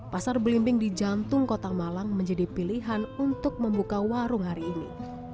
pasar belimbing di jantung kota malang menjadi pilihan untuk membuka warung hari ini